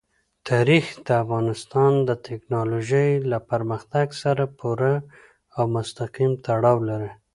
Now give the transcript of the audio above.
تاریخ د افغانستان د تکنالوژۍ له پرمختګ سره پوره او مستقیم تړاو لري.